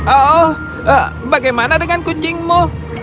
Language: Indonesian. oh bagaimana dengan kucingmu